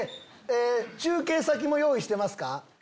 中継先も用意してますか？